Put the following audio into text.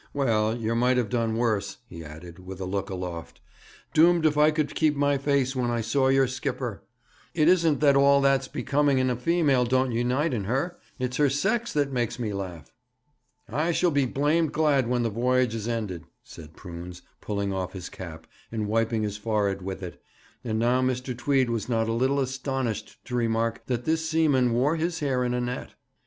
Well, yer might have done worse,' he added, with a look aloft. 'Doomed if I could keep my face when I saw your skipper! It isn't that all that's becoming in a female don't unite in her; it's her sex that makes me laugh.' 'I shall be blamed glad when the voyage is ended,' said Prunes, pulling off his cap, and wiping his forehead with it; and now Mr. Tweed was not a little astonished to remark that this seaman wore his hair in a net.